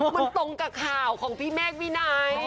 มันตรงกับข่าวของพี่เมฆวินัย